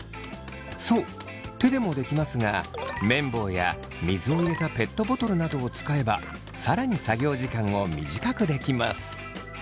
そう手でもできますがめん棒や水を入れたペットボトルなどを使えば更に作業時間を短くできます。